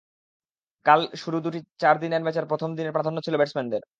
কাল শুরু দুটি চার দিনের ম্যাচের প্রথম দিনে প্রাধান্য ছিল ব্যাটসম্যানদের।